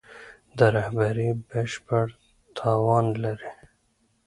د رهبري بشپړ توان لري.